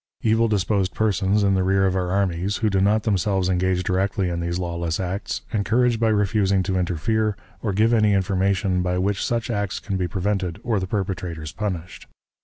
... Evil disposed persons in the rear of our armies, who do not themselves engage directly in these lawless acts, encourage by refusing to interfere, or give any information by which such acts can be prevented or the perpetrators punished.